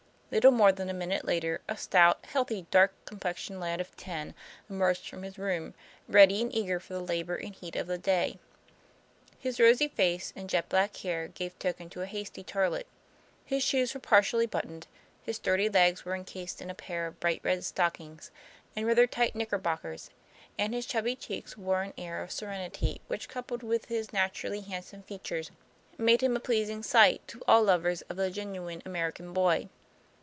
Little more than a minute later, a stout, healthy, dark complexioned lad of ten emerged from his room ready and eager for the labor and heat of the day. His rosy face and jet black hair gave token of a hasty toilet. His shoes were partially buttoned, his sturdy legs were encased in a pair of bright red stock ings and rather tight knickerbockers, and his chubby cheeks wore an air of serenity, which coupled with. TOM PLA YFAIR. 13 his naturally handsome features made him a pleas ing sight to all lovers of the genuine American boy.